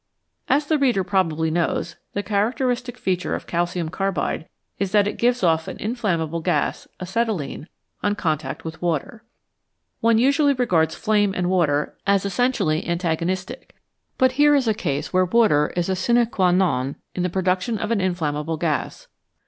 As the reader probably knows, the characteristic feature of calcium carbide is that it gives off' an inflammable 200 HIGH TEMPERATURES gas, acetylene, on contact with water. One usually regards flame and water as essentially antagonistic, but here is a case where water is a sine qua non in the pro duction of an inflammable gas.